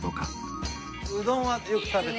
うどんはよく食べた。